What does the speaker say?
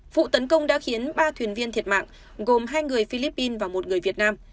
vụ tấn công đã khiến ba thuyền viên thiệt mạng gồm hai người philippines và một người việt nam